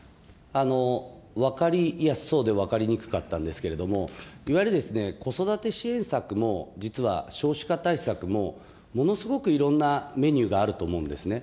分かりやすそうで分かりにくかったんですけども、いわゆる子育て支援策も実は少子化対策も、ものすごくいろんなメニューがあると思うんですね。